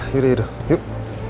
yaudah yaudah yuk